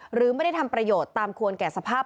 หรือไม่ได้ทำประโยชน์ตามควรแก่สภาพ